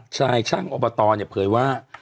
ช่ายช่างงค์อบอตเนี่ยเผยว่า